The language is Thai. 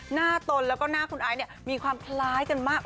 ตนแล้วก็หน้าคุณไอซ์เนี่ยมีความคล้ายกันมาก